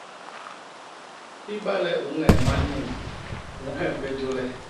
Ibale u ñee manyuñ, u nhem bé jôl e?